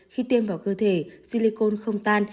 khi tiêm vào cơ thể silicon không tan